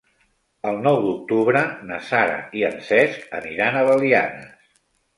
El nou d'octubre na Sara i en Cesc aniran a Belianes.